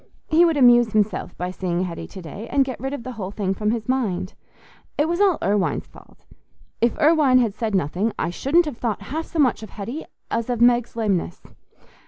He would amuse himself by seeing Hetty to day, and get rid of the whole thing from his mind. It was all Irwine's fault. "If Irwine had said nothing, I shouldn't have thought half so much of Hetty as of Meg's lameness."